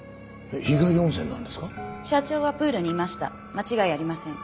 間違いありません。